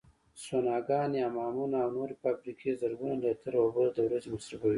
سوناګانې، حمامونه او نورې فابریکې زرګونه لیتره اوبو د ورځې مصرفوي.